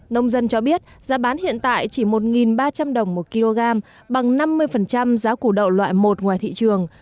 nông dân cho biết giá bán hiện tại chỉ một ba trăm linh đồng một kg bằng năm mươi giá củ đậu loại một ngoài thị trường